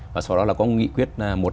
và sau đó là có nghị quyết một trăm linh